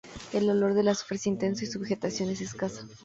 El olor del azufre es intenso y su vegetación es escasa.